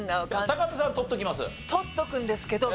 高畑さんは取っておきます？